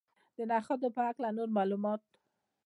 د نخودو په هکله نور معلومات.